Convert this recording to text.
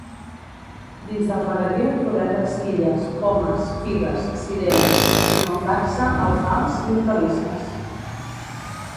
Dins del regadiu trobem bresquilles, pomes, figues, cireres, així com dacsa, alfals i hortalisses.